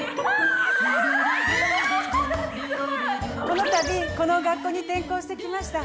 この度この学校に転校してきました